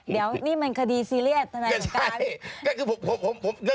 เดี๋ยวนี่มันคดีซีเรียสทนายสงการ